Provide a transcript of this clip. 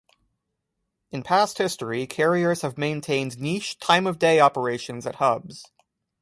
In past history, carriers have maintained niche, time-of-day operations at hubs.